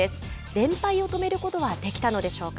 連敗を止めることはできたのでしょうか。